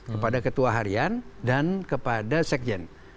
kepada ketua harian dan kepada sekjen